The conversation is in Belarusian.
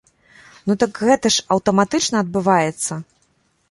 Ну так гэта ж аўтаматычна адбываецца!